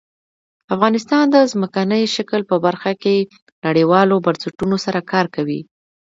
افغانستان د ځمکنی شکل په برخه کې نړیوالو بنسټونو سره کار کوي.